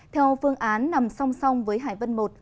theo phương án nằm song song với hải vân một